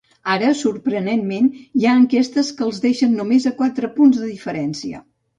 Ara, sorprenentment, hi ha enquestes que els deixen només a quatre punts de diferència.